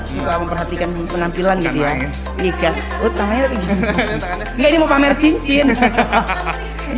suka memperhatikan penampilan gitu ya ini kan utangnya tapi mau pamer cincin hahaha